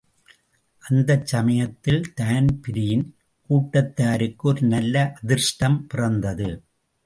அந்தச்சமயத்தில் தான்பிரீன் கூட்டத்தாருக்கு ஒரு நல்ல அதிர்ஷ்டம் பிறந்தது.